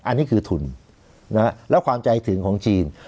อันนี้คือทุนแล้วความใจถึงของจีน